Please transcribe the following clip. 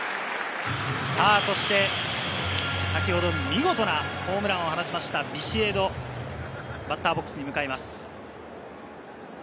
そして先ほど、見事なホームランを放ったビシエドをバッターボックスに迎えます。